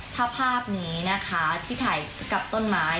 ถ้าภาพนี้นะคะที่ถ่ายกับต้นไม้